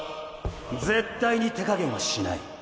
絶対に手加減はしない。